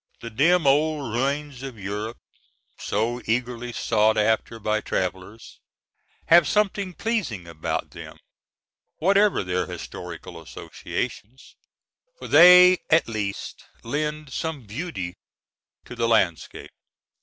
The dim old ruins of Europe, so eagerly sought after by travelers, have something pleasing about them, whatever their historical associations; for they at least lend some beauty to the landscape.